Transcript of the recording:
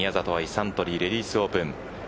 サントリーレディスオープン。